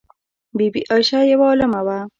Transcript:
بی بي عایشه یوه عالمه وه.